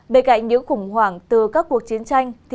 bên cạnh những khủng hoảng từ các cuộc chiến tranh